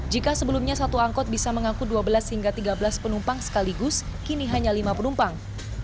jika sebelumnya satu angkot bisa mengangkut dua belas hingga tiga belas penumpang sekaligus kini hanya lima penumpang